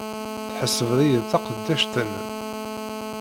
Tḥesbed-iyi d taqeddact-nnem?